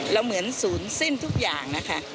เหมือนศูนย์สิ้นทุกอย่างนะคะ